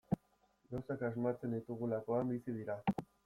Gauzak asmatzen ditugulakoan bizi dira.